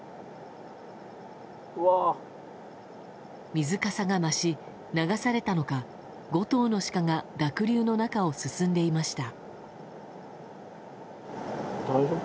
水かさが増し、流されたのか５頭のシカが濁流の中を進んでいました。